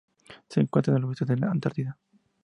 Se encuentra al oeste de la Antártida.